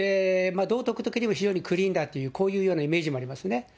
道徳的にも非常にクリーンだという、こういうようなイメージもありますね。